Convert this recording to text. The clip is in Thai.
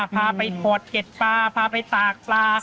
พาไปถอดเก็ดปลาพาไปตากปลา